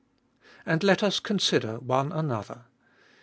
And let us consider one another.